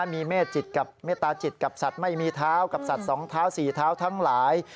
มีเมตจิตกับเมตตาจิตกับสัตว์ไม่มีเท้ากับสัตว์สองเท้าสี่เท้าทั้งหลาย